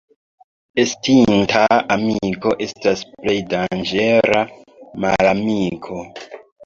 Estinta amiko estas plej danĝera malamiko.